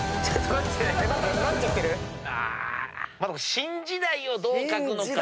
「新時代」をどう描くのか。